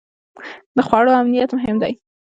د خوړو امنیت مهم دی.